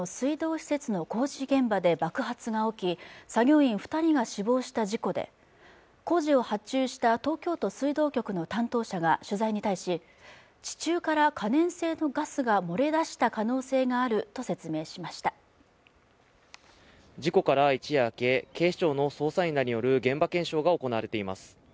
施設の工事現場で爆発が起き作業員二人が死亡した事故で工事を発注した東京都水道局の担当者が取材に対し地中から可燃性のガスが漏れ出した可能性があると説明しました事故から一夜明け警視庁の捜査員らによる現場検証が行われています